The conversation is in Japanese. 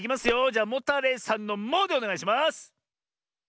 じゃモタレイさんの「モ」でおねがいします！